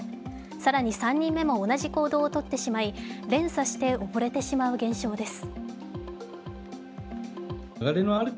更に３人目も同じ行動をとってしまい連鎖して溺れてしまう現象です。